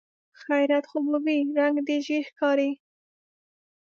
خيرت خو به وي؟ رنګ دې ژېړ ښکاري.